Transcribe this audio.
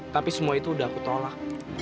tapi semua itu udah aku tolak